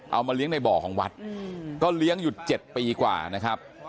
เอามาเลี้ยงในบ่อของวัดก็เลี้ยงอยู่๗ปีกว่านะครับ